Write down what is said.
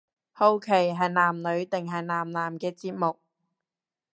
好奇係男女定係男男嘅節目